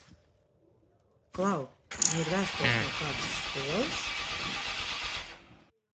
Klau, vai ir vēstules no kādas skolas?